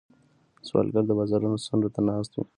سوالګر د بازارونو څنډو ته ناست وي